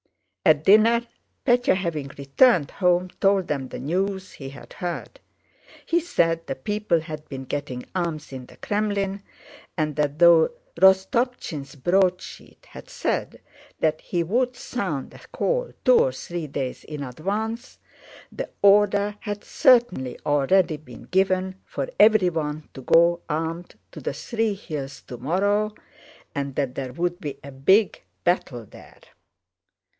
At dinner Pétya having returned home told them the news he had heard. He said the people had been getting arms in the Krémlin, and that though Rostopchín's broadsheet had said that he would sound a call two or three days in advance, the order had certainly already been given for everyone to go armed to the Three Hills tomorrow, and that there would be a big battle there.